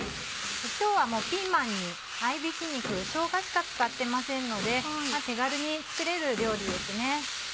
今日はピーマンに合びき肉しょうがしか使ってませんので手軽に作れる料理ですね。